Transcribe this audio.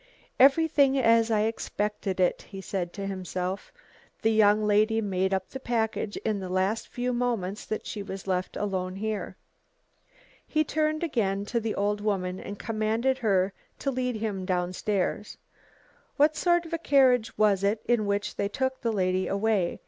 "Everything as I expected it," he said to himself. "The young lady made up the package in the last few moments that she was left alone here." He turned again to the old woman and commanded her to lead him down stairs. "What sort of a carriage was it in which they took the lady away?"